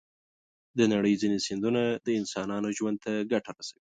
د نړۍ ځینې سیندونه د انسانانو ژوند ته ګټه رسوي.